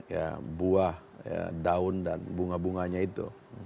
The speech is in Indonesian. ya buah daun dan bunga bunganya itu